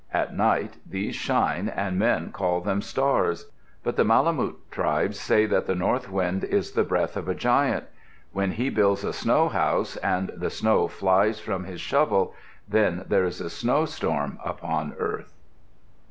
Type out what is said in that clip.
At night these shine and men call them stars. But the Malemut tribes say that the north wind is the breath of a giant. When he builds a snow house and the snow flies from his shovel, then there is a snowstorm upon earth.